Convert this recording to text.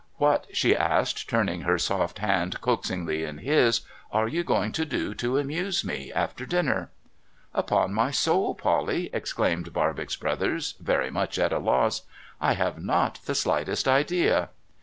' What,' she asked, turning her soft hand coaxingly in his, ' are you going to do to amuse me after dinner ?'' Upon my soul, Polly,' exclaimed Barbox Brothers, very much at a loss, ' I have not the slightest idea